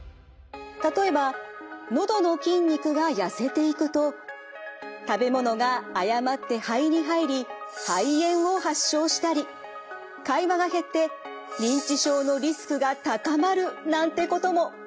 例えばのどの筋肉が痩せていくと食べ物が誤って肺に入り肺炎を発症したり会話が減って認知症のリスクが高まるなんてことも。